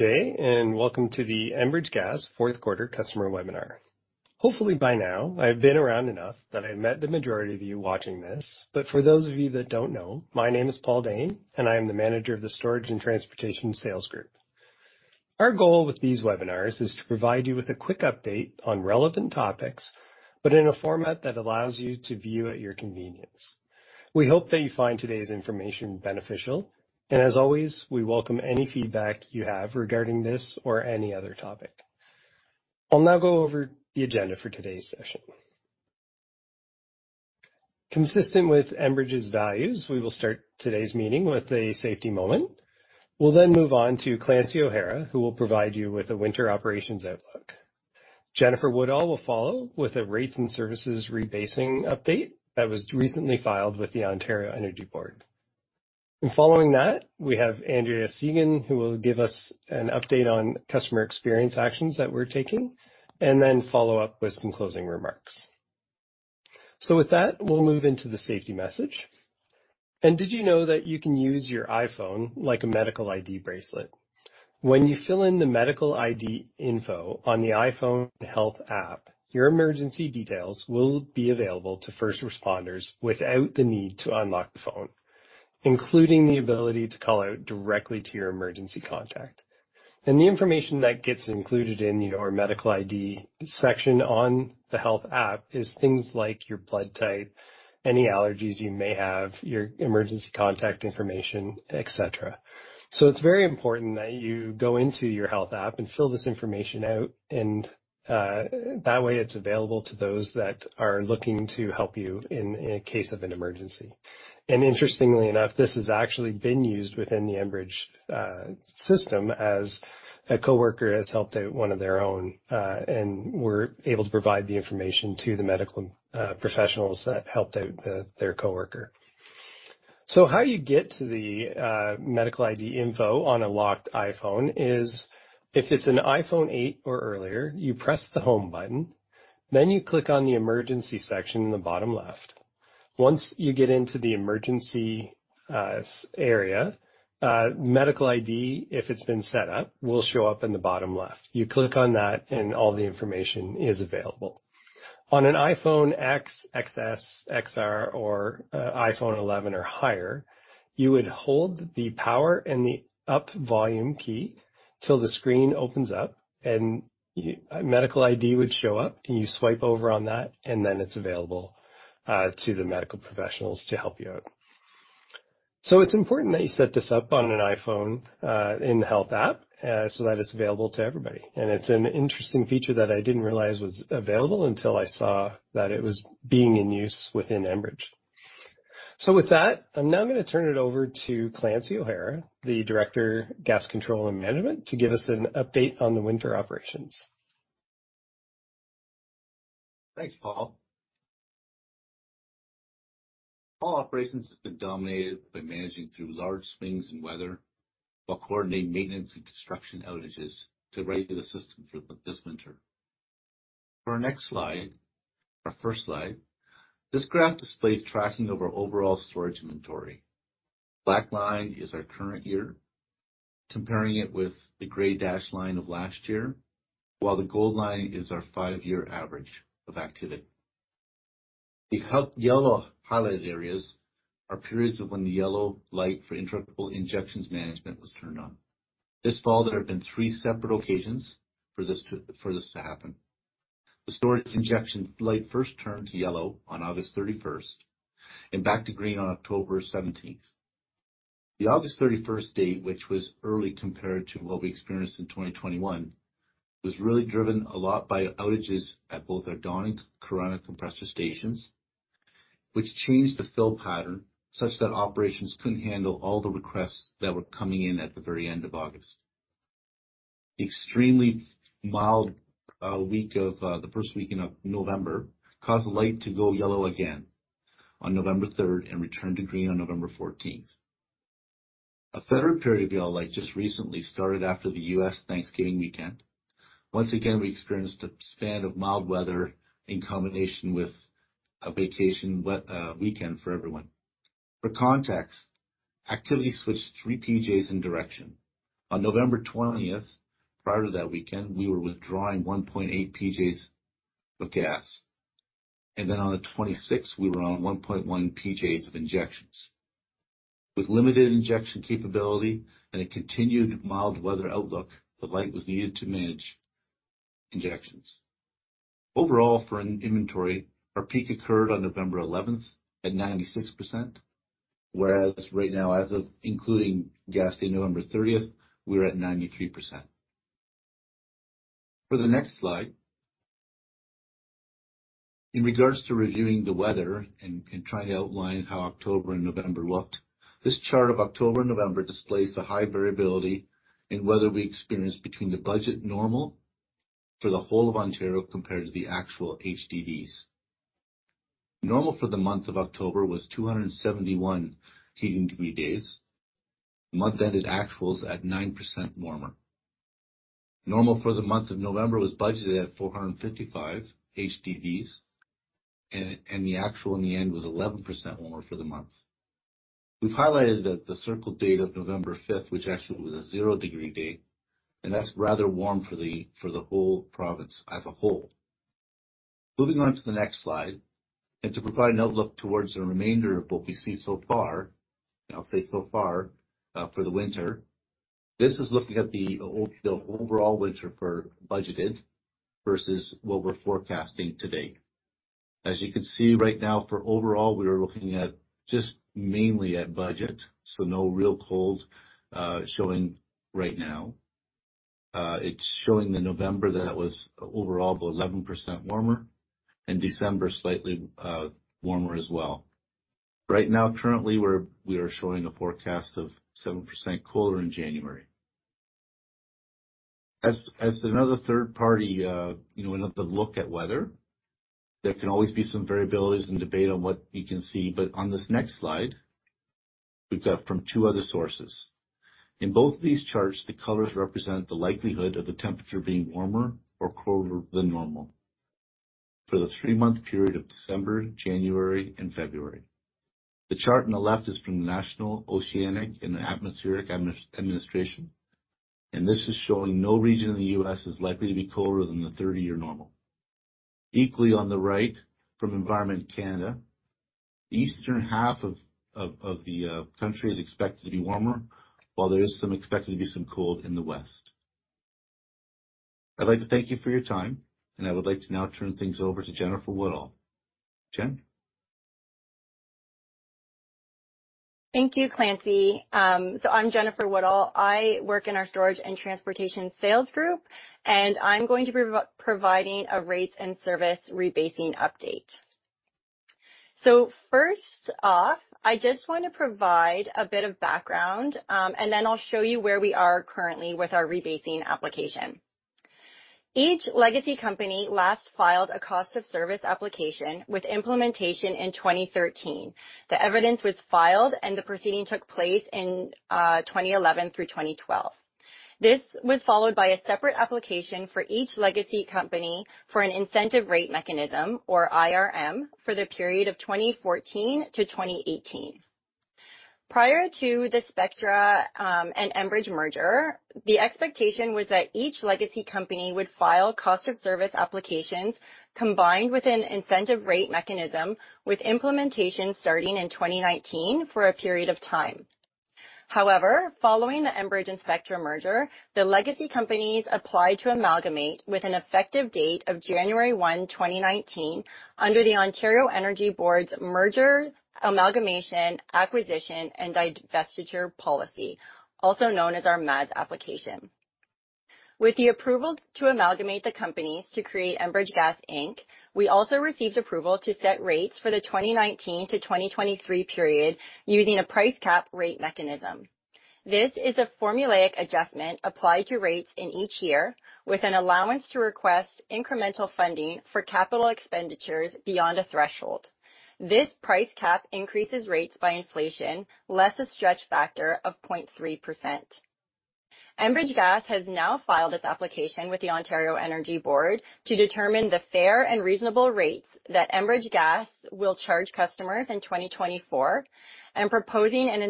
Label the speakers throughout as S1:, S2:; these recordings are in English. S1: Today, welcome to the Enbridge Gas Q4 customer webinar. Hopefully by now, I've been around enough that I met the majority of you watching this. For those of you that don't know, my name is Paul Dean, and I am the Manager of the Storage and Transportation Sales Group. Our goal with these webinars is to provide you with a quick update on relevant topics, but in a format that allows you to view at your convenience. We hope that you find today's information beneficial, and as always, we welcome any feedback you have regarding this or any other topic. I'll now go over the agenda for today's session. Consistent with Enbridge's values, we will start today's meeting with a safety moment. We'll move on to Clancy O'Hara, who will provide you with a winter operations outlook. Jennifer Woodall will follow with a rates and services rebasing update that was recently filed with the Ontario Energy Board. Following that, we have Andrea Seguin, who will give us an update on customer experience actions that we're taking, and then follow up with some closing remarks. With that, we'll move into the safety message. Did you know that you can use your iPhone like a Medical ID bracelet? When you fill in the Medical ID info on the iPhone Health app, your emergency details will be available to first responders without the need to unlock the phone, including the ability to call out directly to your emergency contact. The information that gets included in your Medical ID section on the Health app is things like your blood type, any allergies you may have, your emergency contact information, et cetera. It's very important that you go into your Health app and fill this information out, that way it's available to those that are looking to help you in case of an emergency. Interestingly enough, this has actually been used within the Enbridge system as a coworker has helped out one of their own, and we're able to provide the information to the medical professionals that helped out their coworker. How you get to the Medical ID info on a locked iPhone is if it's an iPhone 8 or earlier, you press the Home button, then you click on the Emergency section in the bottom left. Once you get into the emergency area, Medical ID, if it's been set up, will show up in the bottom left. You click on that, all the information is available. On an iPhone X, XS, XR or iPhone 11 or higher, you would hold the power and the up volume key till the screen opens up and Medical ID would show up, and you swipe over on that, and then it's available to the medical professionals to help you out. It's important that you set this up on an iPhone in the Health app so that it's available to everybody. It's an interesting feature that I didn't realize was available until I saw that it was being in use within Enbridge. With that, I'm now gonna turn it over to Clancy O'Hara, the Director, Gas Control and Management, to give us an update on the winter operations.
S2: Thanks, Paul. Fall operations have been dominated by managing through large swings in weather while coordinating maintenance and construction outages to ready the system for this winter. Our first slide, this graph displays tracking of our overall storage inventory. Black line is our current year, comparing it with the gray dash line of last year, while the gold line is our 5-year average of activity. Yellow highlighted areas are periods of when the yellow light for interruptible injections management was turned on. This fall, there have been 3 separate occasions for this to happen. The storage injection light first turned yellow on August 31st and back to green on October 17th. The August 31st date, which was early compared to what we experienced in 2021, was really driven a lot by outages at both our Dawn and Corunna compressor stations, which changed the fill pattern such that operations couldn't handle all the requests that were coming in at the very end of August. Extremely mild week of the 1st week in November caused the light to go yellow again on November 3rd and return to green on November 14th. A 3rd period of yellow light just recently started after the U.S. Thanksgiving weekend. Once again, we experienced a span of mild weather in combination with a vacation weekend for everyone. For context, activity switched 3 PJs in direction. On November 20th, prior to that weekend, we were withdrawing 1.8 PJs of gas, and then on the 26th, we were on 1.1 PJs of injections. With limited injection capability and a continued mild weather outlook, the light was needed to manage injections. Overall, for an inventory, our peak occurred on November 11th at 96%, whereas right now, as of including gas through November 30th, we're at 93%. For the next slide. In regards to reviewing the weather and trying to outline how October and November looked, this chart of October and November displays the high variability in weather we experienced between the budget normal for the whole of Ontario compared to the actual HDVs. Normal for the month of October was 271 heating degree days. Month ended actuals at 9% warmer. Normal for the month of November was budgeted at 455 HDVs. The actual in the end was 11% warmer for the month. We've highlighted that the circle date of November 5th, which actually was a zero degree day, and that's rather warm for the whole province as a whole. Moving on to the next slide, to provide an outlook towards the remainder of what we see so far, and I'll say so far, for the winter. This is looking at the overall winter for budgeted versus what we're forecasting to date. As you can see right now for overall, we are looking at just mainly at budget, so no real cold showing right now. It's showing the November that was overall 11% warmer and December slightly warmer as well. Right now, currently, we are showing a forecast of 7% colder in January. As another third party, you know, another look at weather, there can always be some variabilities and debate on what we can see. On this next slide, we've got from two other sources. In both of these charts, the colors represent the likelihood of the temperature being warmer or colder than normal for the three-month period of December, January and February. The chart on the left is from the National Oceanic and Atmospheric Administration, and this is showing no region in the U.S. is likely to be colder than the 30-year normal. Equally, on the right, from Environment Canada, the eastern half of the country is expected to be warmer, while there is some expected to be some cold in the west. I'd like to thank you for your time, and I would like to now turn things over to Jennifer Woodall. Jen.
S3: Thank you, Clancy. I'm Jennifer Woodall. I work in our Storage and Transportation Sales group, and I'm going to be providing a rates and service rebasing update. First off, I just want to provide a bit of background, and then I'll show you where we are currently with our rebasing application. Each legacy company last filed a cost of service application with implementation in 2013. The evidence was filed, and the proceeding took place in 2011 through 2012. This was followed by a separate application for each legacy company for an incentive rate mechanism or IRM for the period of 2014 to 2018. Prior to the Spectra and Enbridge merger, the expectation was that each legacy company would file cost of service applications combined with an incentive rate mechanism, with implementation starting in 2019 for a period of time. Following the Enbridge and Spectra merger, the legacy companies applied to amalgamate with an effective date of January 1, 2019, under the Ontario Energy Board's Merger, Amalgamation, Acquisition and Divestiture Policy, also known as our MAAD application. With the approval to amalgamate the companies to create Enbridge Gas Inc, we also received approval to set rates for the 2019 to 2023 period using a price cap rate mechanism. This is a formulaic adjustment applied to rates in each year, with an allowance to request incremental funding for capital expenditures beyond a threshold. This price cap increases rates by inflation, less a stretch factor of 0.3%. Enbridge Gas has now filed its application with the Ontario Energy Board to determine the fair and reasonable rates that Enbridge Gas will charge customers in 2024 and proposing an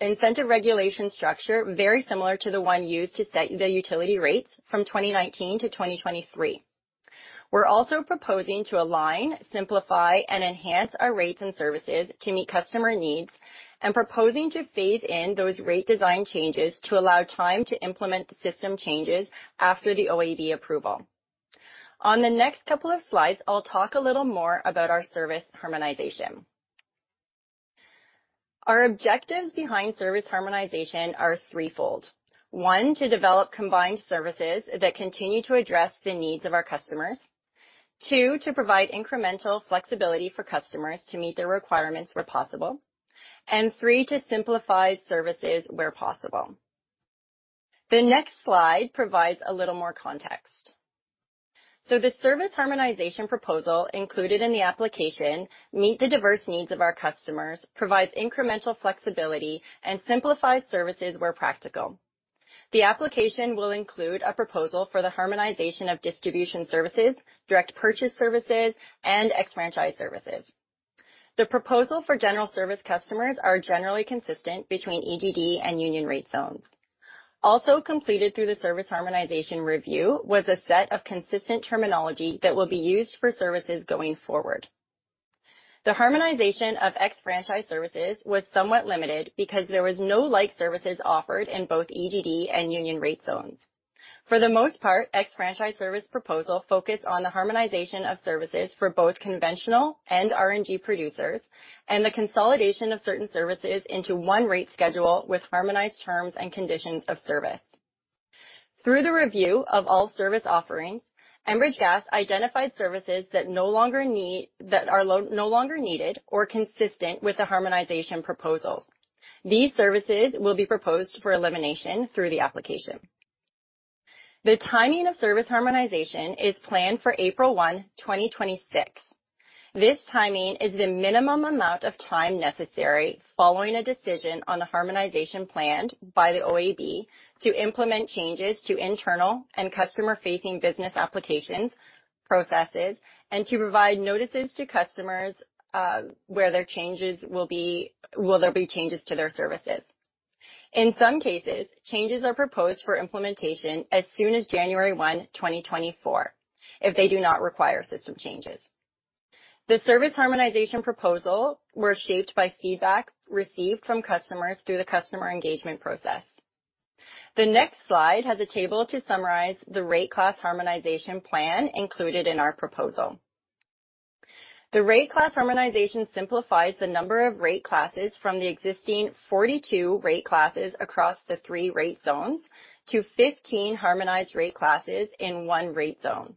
S3: incentive regulation structure very similar to the one used to set the utility rates from 2019 to 2023. We're also proposing to align, simplify and enhance our rates and services to meet customer needs and proposing to phase in those rate design changes to allow time to implement the system changes after the OEB approval. On the next couple of slides, I'll talk a little more about our service harmonization. Our objectives behind service harmonization are threefold. One, to develop combined services that continue to address the needs of our customers. Two, to provide incremental flexibility for customers to meet their requirements where possible. Three, to simplify services where possible. The next slide provides a little more context. The service harmonization proposal included in the application meet the diverse needs of our customers, provides incremental flexibility and simplifies services where practical. The application will include a proposal for the harmonization of distribution services, Direct Purchase services, and ex-franchise services. The proposal for general service customers are generally consistent between EDD and union rate zones. Also completed through the service harmonization review was a set of consistent terminology that will be used for services going forward. The harmonization of ex-franchise services was somewhat limited because there was no like services offered in both EDD and union rate zones. For the most part, ex-franchise service proposal focused on the harmonization of services for both conventional and RNG producers and the consolidation of certain services into one rate schedule with harmonized terms and conditions of service. Through the review of all service offerings, Enbridge Gas identified services that are no longer needed or consistent with the harmonization proposals. These services will be proposed for elimination through the application. The timing of service harmonization is planned for April 1, 2026. This timing is the minimum amount of time necessary following a decision on the harmonization planned by the OEB to implement changes to internal and customer-facing business applications, processes, and to provide notices to customers, where there will be changes to their services. In some cases, changes are proposed for implementation as soon as January 1, 2024, if they do not require system changes. The service harmonization proposal were shaped by feedback received from customers through the customer engagement process. The next slide has a table to summarize the rate card harmonization plan included in our proposal. The rate card harmonization simplifies the number of rate classes from the existing 42 rate classes across the three rate zones to 15 harmonized rate classes in one rate zone.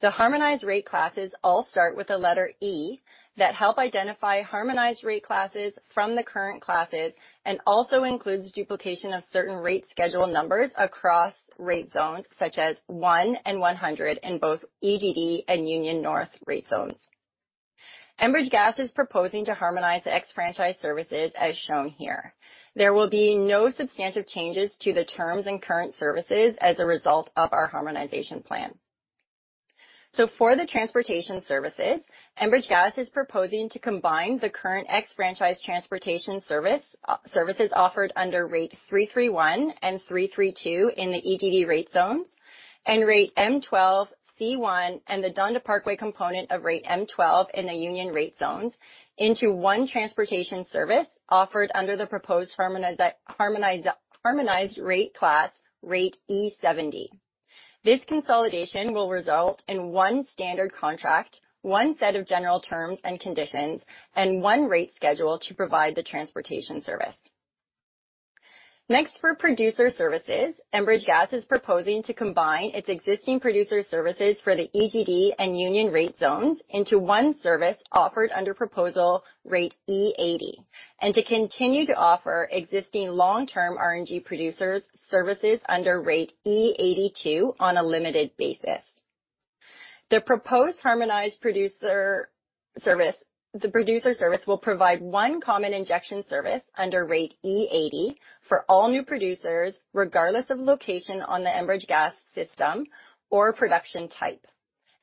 S3: The harmonized rate classes all start with the letter E that help identify harmonized rate classes from the current classes, and also includes duplication of certain rate schedule numbers across rate zones such as one and 100 in both EDD and Union North Rate zones. Enbridge Gas is proposing to harmonize the ex-franchise services as shown here. There will be no substantial changes to the terms and current services as a result of our harmonization plan. For the transportation services, Enbridge Gas is proposing to combine the current ex-franchise transportation service, services offered under Rate 331 and 332 in the EDD rate zones and Rate M12, C1, and the Dawn-Parkway component of Rate M12 in the Union Rate zones into one transportation service offered under the proposed harmonized rate class, Rate E70. This consolidation will result in one standard contract, one set of general terms and conditions, and one rate schedule to provide the transportation service. Next, for producer services, Enbridge Gas is proposing to combine its existing producer services for the EDD and Union Rate zones into one service offered under Proposal Rate E80, and to continue to offer existing long-term RNG producers services under Rate E82 on a limited basis. The proposed harmonized producer service, the producer service will provide one common injection service under Rate E80 for all new producers, regardless of location on the Enbridge Gas system or production type.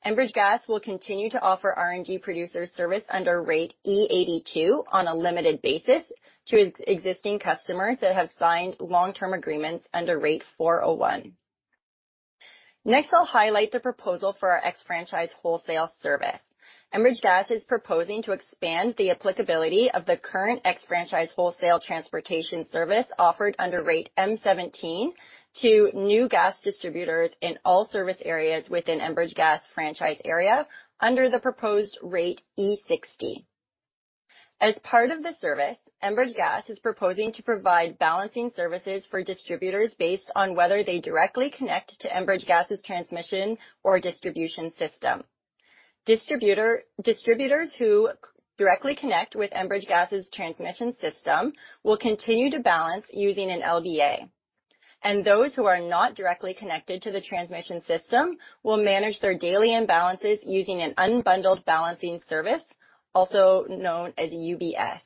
S3: Enbridge Gas will continue to offer RNG producer service under Rate E82 on a limited basis to its existing customers that have signed long-term agreements under Rate 401. I'll highlight the proposal for our ex-franchise wholesale service. Enbridge Gas is proposing to expand the applicability of the current ex-franchise wholesale transportation service offered under Rate M17 to new gas distributors in all service areas within Enbridge Gas franchise area under the proposed Rate E60. As part of the service, Enbridge Gas is proposing to provide balancing services for distributors based on whether they directly connect to Enbridge Gas's transmission or distribution system. Distributors who directly connect with Enbridge Gas's transmission system will continue to balance using an LBA. Those who are not directly connected to the transmission system will manage their daily imbalances using an unbundled balancing service, also known as UBS.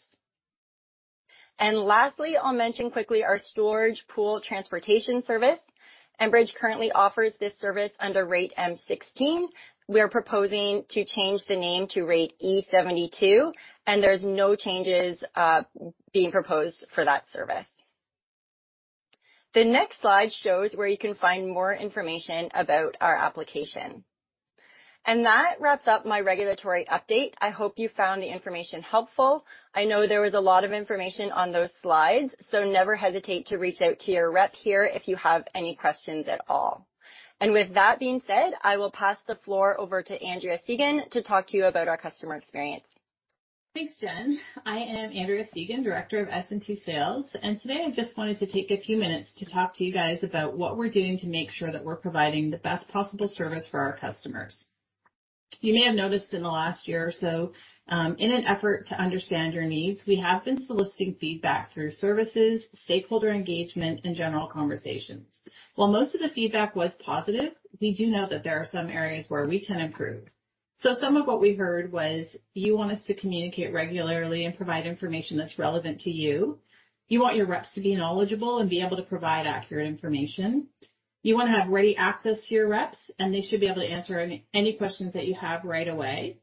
S3: Lastly, I'll mention quickly our storage pool transportation service. Enbridge currently offers this service under Rate M16. We are proposing to change the name to Rate E72, there's no changes being proposed for that service. The next slide shows where you can find more information about our application. That wraps up my regulatory update. I hope you found the information helpful. I know there was a lot of information on those slides, never hesitate to reach out to your rep here if you have any questions at all. With that being said, I will pass the floor over to Andrea Seguin to talk to you about our customer experience.
S4: Thanks, Jen. I am Andrea Seguin, Director of S&P Sales. Today I just wanted to take a few minutes to talk to you guys about what we're doing to make sure that we're providing the best possible service for our customers. You may have noticed in the last year or so, in an effort to understand your needs, we have been soliciting feedback through services, stakeholder engagement, and general conversations. While most of the feedback was positive, we do know that there are some areas where we can improve. Some of what we heard was, you want us to communicate regularly and provide information that's relevant to you. You want your reps to be knowledgeable and be able to provide accurate information. You want to have ready access to your reps, and they should be able to answer any questions that you have right away.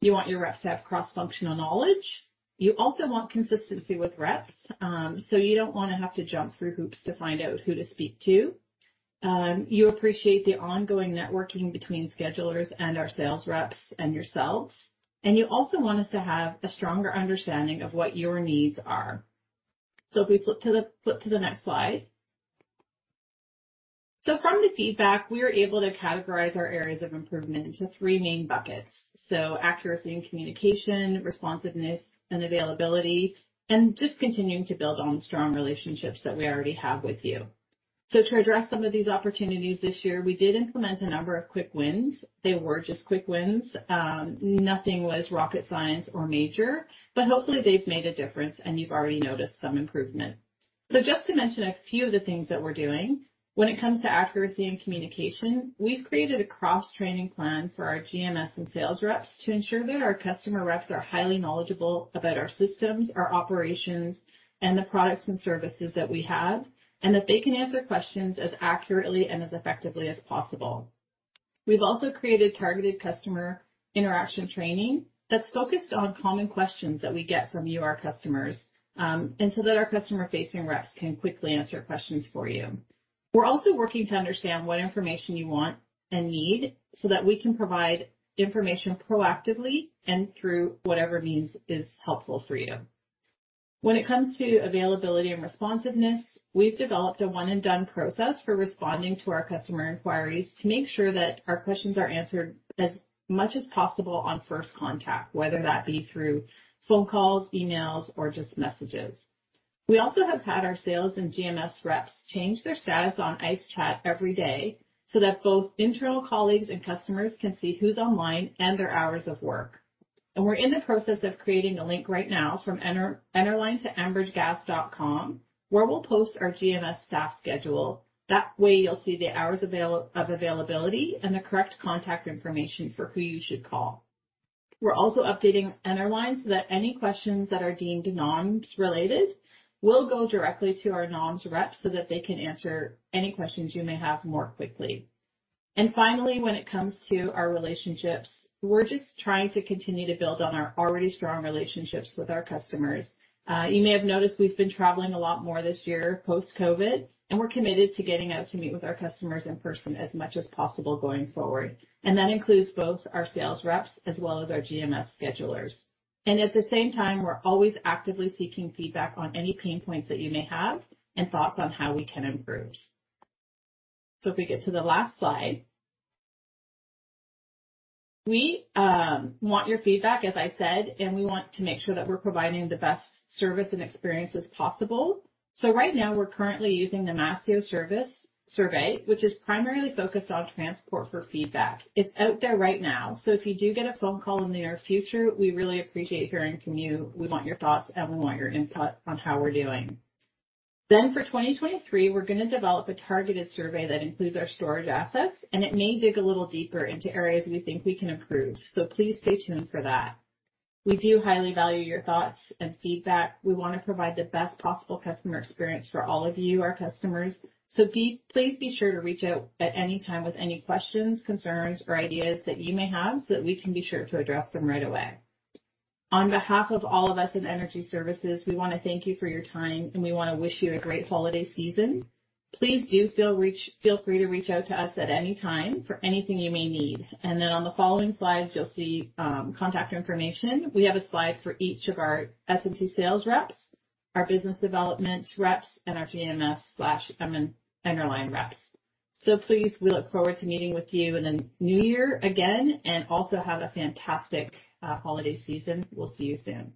S4: You want your reps to have cross-functional knowledge. You also want consistency with reps, so you don't wanna have to jump through hoops to find out who to speak to. You appreciate the ongoing networking between schedulers and our sales reps and yourselves. You also want us to have a stronger understanding of what your needs are. If we flip to the next slide. From the feedback, we are able to categorize our areas of improvement into three main buckets. Accuracy and communication, responsiveness and availability, and just continuing to build on strong relationships that we already have with you. To address some of these opportunities this year, we did implement a number of quick wins. They were just quick wins. Nothing was rocket science or major, but hopefully they've made a difference, and you've already noticed some improvement. Just to mention a few of the things that we're doing. When it comes to accuracy and communication, we've created a cross-training plan for our GMS and sales reps to ensure that our customer reps are highly knowledgeable about our systems, our operations, and the products and services that we have, and that they can answer questions as accurately and as effectively as possible. We've also created targeted customer interaction training that's focused on common questions that we get from you, our customers, and so that our customer-facing reps can quickly answer questions for you. We're also working to understand what information you want and need so that we can provide information proactively and through whatever means is helpful for you. When it comes to availability and responsiveness, we've developed a one-and-done process for responding to our customer inquiries to make sure that our questions are answered as much as possible on first contact, whether that be through phone calls, emails, or just messages. We also have had our sales and GMS reps change their status on ICE Chat every day so that both internal colleagues and customers can see who's online and their hours of work. We're in the process of creating a link right now from Enerline to enbridgegas.com, where we'll post our GMS staff schedule. That way, you'll see the hours of availability and the correct contact information for who you should call. We're also updating Enerline so that any questions that are deemed NONs related will go directly to our NONs rep, so that they can answer any questions you may have more quickly. Finally, when it comes to our relationships, we're just trying to continue to build on our already strong relationships with our customers. You may have noticed we've been traveling a lot more this year post-COVID, and we're committed to getting out to meet with our customers in person as much as possible going forward. That includes both our sales reps as well as our GMS schedulers. At the same time, we're always actively seeking feedback on any pain points that you may have and thoughts on how we can improve. If we get to the last slide. We want your feedback, as I said, and we want to make sure that we're providing the best service and experiences possible. Right now we're currently using the Mastio Survey, which is primarily focused on transport for feedback. It's out there right now, so if you do get a phone call in the near future, we really appreciate hearing from you. We want your thoughts, and we want your input on how we're doing. For 2023, we're gonna develop a targeted survey that includes our storage assets, and it may dig a little deeper into areas we think we can improve. Please stay tuned for that. We do highly value your thoughts and feedback. We wanna provide the best possible customer experience for all of you, our customers. Please be sure to reach out at any time with any questions, concerns, or ideas that you may have, so that we can be sure to address them right away. On behalf of all of us in Energy Services, we wanna thank you for your time, and we wanna wish you a great holiday season. Please do feel free to reach out to us at any time for anything you may need. On the following slides, you'll see contact information. We have a slide for each of our S&P sales reps, our business development reps, and our GMS slash Enerline reps. Please, we look forward to meeting with you in the new year again. Also have a fantastic holiday season. We'll see you soon.